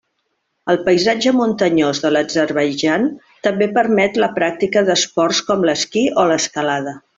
El paisatge muntanyós de l'Azerbaidjan també permet la pràctica d'esports com l'esquí o l'escalada.